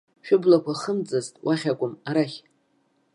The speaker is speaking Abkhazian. Шәыблақәа хымтӡацт, уахь акәым, арахь!